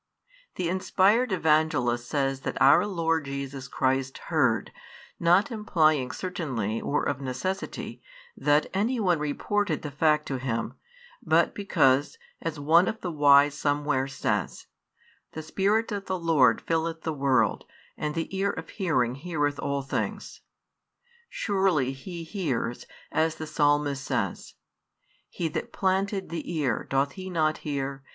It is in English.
The inspired Evangelist says that our Lord Jesus Christ heard, not implying certainly or of necessity that any one reported the fact to Him, but because, as one of the wise somewhere says: The Spirit of the Lord filleth the world, |54 and the ear of hearing heareth all things. Surely He hears, as the Psalmist says: He that planted, the ear, doth He not hear?